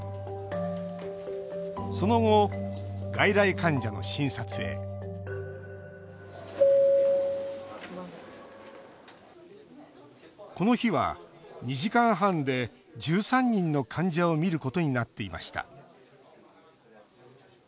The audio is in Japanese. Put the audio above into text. その後外来患者の診察へこの日は２時間半で１３人の患者を診ることになっていました